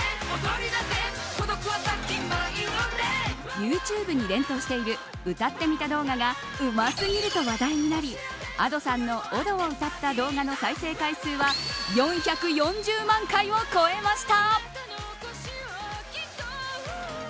ユーチューブに連投している歌ってみた動画がうますぎると話題になりＡｄｏさんの踊を歌った動画の再生回数は４４０万回を超えました。